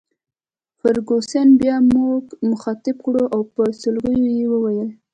فرګوسن بیا موږ مخاطب کړو او په سلګیو یې وویل.